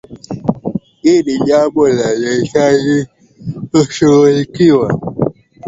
Hilo ni jambo linalohitaji kushughulikiwa